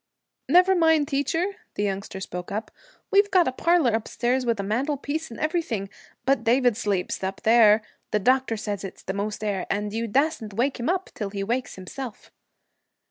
'Never mind, teacher,' the youngster spoke up, 'we got a parlor upstairs, with a mantelpiece and everything, but David sleeps up there the doctor said it's the most air and you dassn't wake him up till he wakes himself.'